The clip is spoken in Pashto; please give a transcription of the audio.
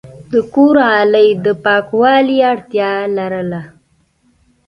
د کور غالی د پاکولو اړتیا لرله.